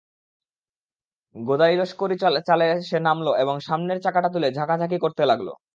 গদাইলশকরী চালে সে নামল এবং সামনের চাকাটা তুলে ঝাঁকাঝাঁকি করতে লাগল।